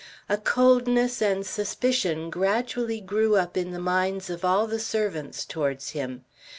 A coldness and suspicion gradually grew up in the minds of all the servants towards him.